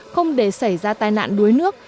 không để xảy ra tai nạn đuối nước